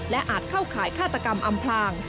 และอาจเข้าข่ายฆาตกรรมอำพลาง